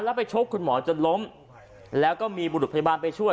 แล้วไปชกคุณหมอจนล้มแล้วก็มีบุรุษพยาบาลไปช่วย